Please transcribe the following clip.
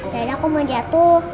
dara ku mau jatuh